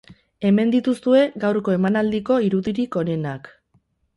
Hemen dituzue gaurko emanaldiko irudirik onenak.